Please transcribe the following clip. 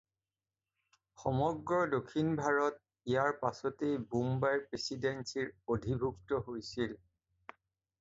সমগ্ৰ দক্ষিণ ভাৰত ইয়াৰ পাছতেই বোম্বাই প্ৰেচিডেঞ্চিৰ অধিভুক্ত হৈছিল।